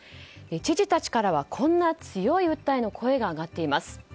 知事たちからはこういった強い声が上がっています。